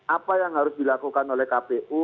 apa yang harus dilakukan oleh kpu